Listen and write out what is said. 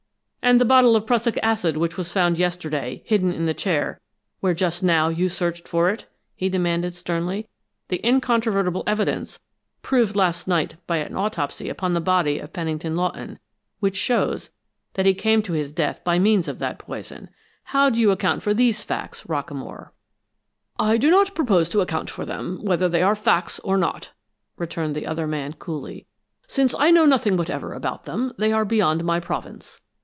"And the bottle of prussic acid which was found yesterday hidden in the chair where just now you searched for it?" he demanded, sternly. "The incontrovertible evidence, proved late last night by an autopsy upon the body of Pennington Lawton, which shows that he came to his death by means of that poison how do you account for these facts, Rockamore?" "I do not propose to account for them, whether they are facts or not," returned the other man, coolly. "Since I know nothing whatever about them, they are beyond my province.